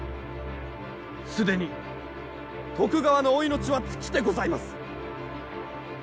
既に、徳川のお命は尽きてございます。